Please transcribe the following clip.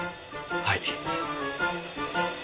はい。